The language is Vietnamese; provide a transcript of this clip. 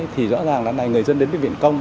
thì rõ ràng là người dân đến bệnh viện công